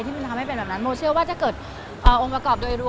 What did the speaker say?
มันทำให้เป็นแบบนั้นโมเชื่อว่าถ้าเกิดองค์ประกอบโดยรวม